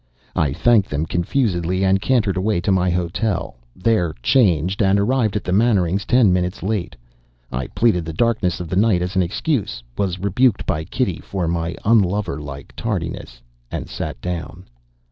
I thanked them confusedly and cantered away to my hotel, there changed, and arrived at the Mannerings' ten minutes late. I pleaded the darkness of the night as an excuse; was rebuked by Kitty for my unlover like tardiness; and sat down.